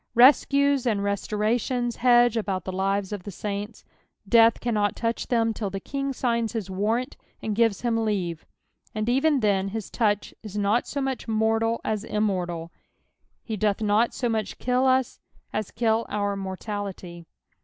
Rescues and restorations hedge about the lives of the saints ; death cannot touch them till the King signs bis warrant and gives him leave, and eren then his touch is not so mucli mortal as immortal ; he doth not so much kill us as kill out mortiality.